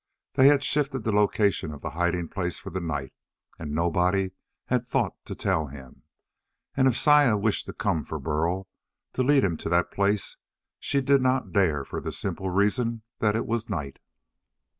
They had shifted the location of the hiding place for the night, and nobody had thought to tell him. And if Saya wished to come for Burl, to lead him to that place, she did not dare for the simple reason that it was night.